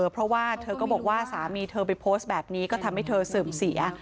เพราะว่าเธอก็บอกว่าสามีเธอไปโพสต์แบบนี้ก็ทำให้เธอเสื่อมเสีย